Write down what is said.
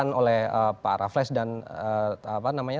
yang sudah dilakukan oleh pak raflaj dan apa namanya